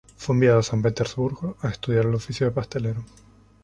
Fue enviado a San Petersburgo a estudiar el oficio de pastelero.